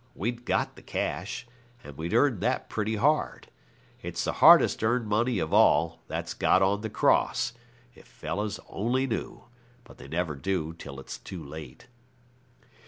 We'd got the cash, and we'd earned that pretty hard. It's the hardest earned money of all, that's got on the cross, if fellows only knew, but they never do till it's too late.